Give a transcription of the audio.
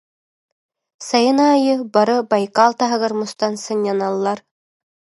Сайын аайы бары Байкал таһыгар мустан сынньаналлар